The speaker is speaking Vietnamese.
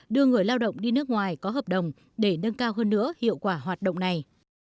đưa người lao động đi nước ngoài có hợp đồng để nâng cao hơn nữa hiệu quả hoạt động này